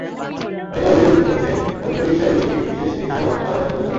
অনেকেই অভিযোগ করছেন, অন্য রিকশাই বেশি, বিশেষ রিকশাও ভাড়া মেনে চলছে না।